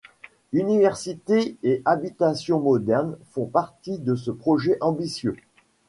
Université et habitations modernes font partie de ce projet ambitieux.